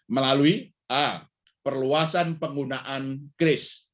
melalui a perluasan penggunaan kris